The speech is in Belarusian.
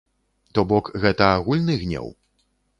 То бок гэта агульны гнеў?